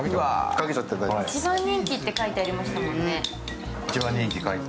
一番人気って書いてありましたもんね。